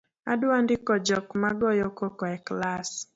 Adwa ndiko jok ma goyo koko e klas